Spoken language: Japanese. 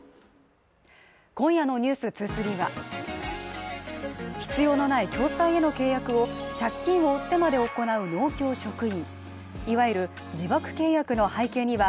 今夜の「ｎｅｗｓ２３」は必要のない共済の契約を借金を負ってまで行う農協職員